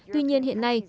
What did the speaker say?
tuy nhiên hiện nay